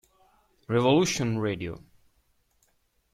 Revolution Radio